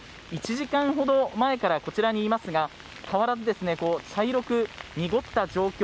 １時間ほど前からこちらにいますが変わらず茶色く濁った状況。